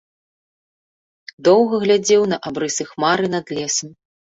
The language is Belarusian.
Доўга глядзеў на абрысы хмары над лесам.